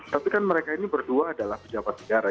tapi kan mereka ini berdua adalah pejabat negara